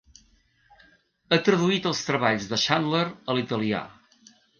Ha traduït els treballs de Chandler a l'italià.